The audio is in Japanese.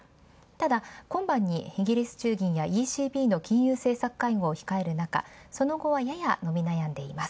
ただ今晩にイギリス中銀などが政策会合を控えるなか、その後はやや伸び悩んでいます。